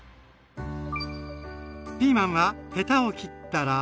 ピーマンはヘタを切ったら。